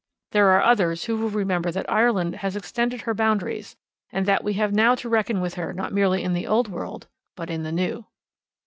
There are others who will remember that Ireland has extended her boundaries, and that we have now to reckon with her not merely in the Old World but in the New.